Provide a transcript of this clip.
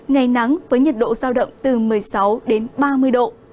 ngày nắng với nhiệt độ giao động từ một mươi sáu đến ba mươi độ